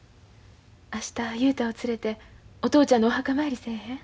明日雄太を連れてお父ちゃんのお墓参りせえへん？